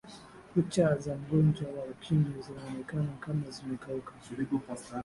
kucha za mgonjwa wa ukimwi zinaonekana kama zimekauka